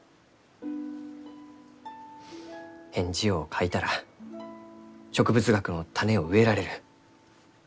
返事を書いたら植物学の種を植えられる。